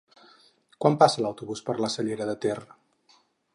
Quan passa l'autobús per la Cellera de Ter?